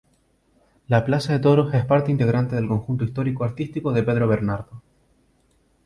La Plaza de Toros, es parte integrante del conjunto Histórico Artístico de Pedro Bernardo.